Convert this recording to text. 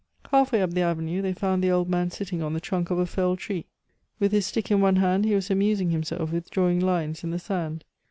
Halfway up the avenue they found the old man sitting on the trunk of a felled tree. With his stick in one hand, he was amusing himself with drawing lines in the sand.